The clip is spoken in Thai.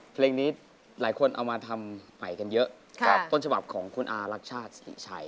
เพลงนี้หลายคนเอามาทำใหม่กันเยอะกับต้นฉบับของคุณอารักชาติสิริชัย